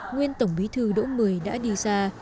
nguyên tổng bí thư đỗ mười đã đi xa